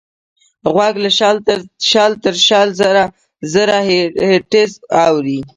غوږ له شل تر شل زره هیرټز اوري.